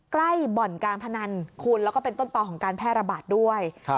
ใกล้บ่อนการพนันคุณแล้วก็เป็นต้นต่อของการแพร่ระบาดด้วย